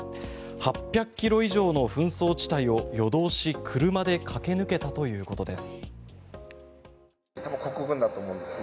８００ｋｍ以上の紛争地帯を夜通し車で駆け抜けたということです。